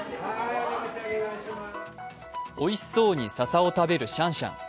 おいしそうに笹を食べるシャンシャン。